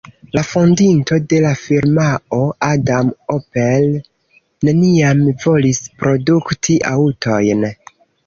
La fondinto de la firmao, Adam Opel, neniam volis produkti aŭtojn.